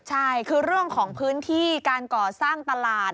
ใช่คือเรื่องของพื้นที่การก่อสร้างตลาด